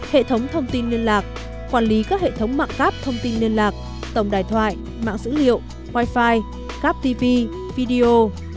hệ thống thông tin liên lạc quản lý các hệ thống mạng cắp thông tin liên lạc tổng đài thoại mạng dữ liệu wifi cắp tv video